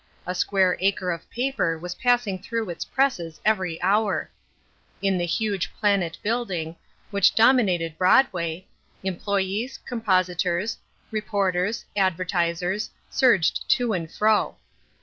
A square acre of paper was passing through its presses every hour. In the huge Planet building, which dominated Broadway, employés, compositors, reporters, advertisers, surged to and fro.